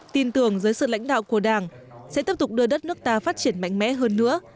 tin tưởng dưới sự lãnh đạo của đảng sẽ tiếp tục đưa đất nước ta phát triển mạnh mẽ hơn nữa